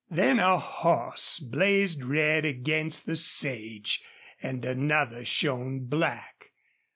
Then a horse blazed red against the sage and another shone black.